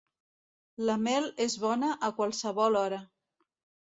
La mel és bona a qualsevol hora.